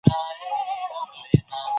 که غواړې معلومات ترلاسه کړې خبرونه واوره.